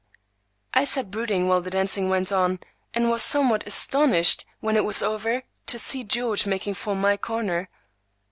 I sat brooding while the dancing went on, and was somewhat astonished, when it was over, to see George making for my corner.